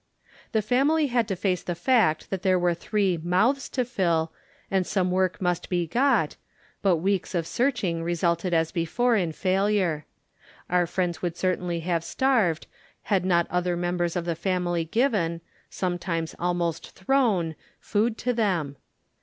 The family had to face the fact that there were three "mouths to fill" and some work must be got, but weeks of searching resulted as before in failure. Our friends would certainly have starved had not other members of the family given, sometimes almost thrown, food to them.